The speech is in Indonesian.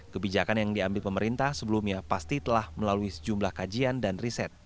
kebijakan yang diambil pemerintah sebelumnya pasti telah melalui sejumlah kajian dan riset